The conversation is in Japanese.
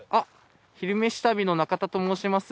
「昼めし旅」の中田と申します。